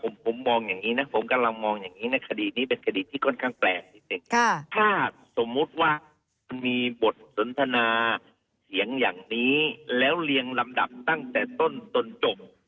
มีเสียงลำดับตั้งแต่ต้นตอนจบ